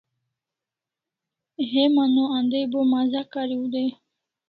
Heman o andai bo Maza kariu dai